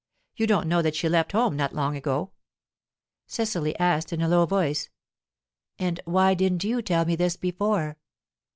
You don't know that she left home not long ago." Cecily asked in a low voice: "And why didn't you tell me this before?"